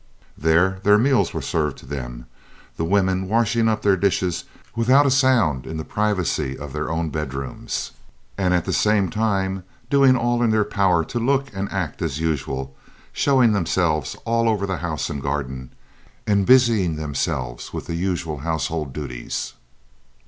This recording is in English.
There their meals were served to them, the women washing up their dishes without a sound in the privacy of their own bedrooms, and at the same time doing all in their power to look and act as usual, showing themselves all over the house and garden, and busying themselves with the usual household duties.